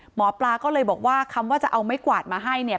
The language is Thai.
หมอปลาก็เลยบอกว่าคำว่าจะเอาไม้กวาดมาให้เนี่ย